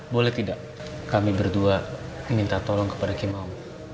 boleh tidak kami berdua minta tolong kepada kimau